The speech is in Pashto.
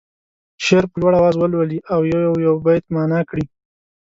شعر په لوړ اواز ولولي او یو یو بیت معنا کړي.